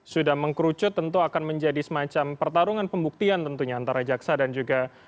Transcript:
sudah mengkerucut tentu akan menjadi semacam pertarungan pembuktian tentunya antara jaksa dan juga